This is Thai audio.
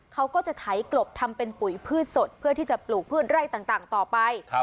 เขาก็จะไถกลบทำเป็นปุ๋ยพืชสดเพื่อที่จะปลูกพืชไร่ต่างต่อไป